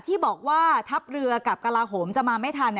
ที่บอกว่าทัพเรือกับกระลาโหมจะมาไม่ทัน